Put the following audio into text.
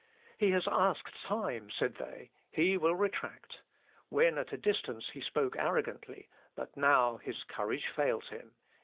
"He has asked time," said they; "he will retract. When at a distance he spoke arrogantly, but now his courage fails him....